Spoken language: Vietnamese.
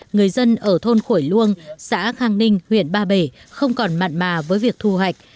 người dân ở thôn khổi luông xã khang ninh huyện ba bể không còn mặn mà với việc thu hoạch